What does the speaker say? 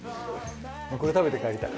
これ食べて帰りたい。